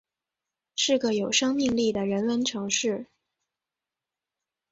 是个有生命力的人文城市